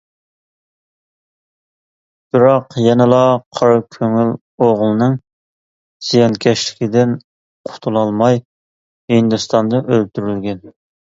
بىراق يەنىلا قارا كۆڭۈل ئوغلىنىڭ زىيانكەشلىكىدىن قۇتۇلالماي، ھىندىستاندا ئۆلتۈرۈلگەن.